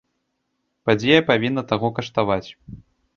Падзея павінна таго каштаваць.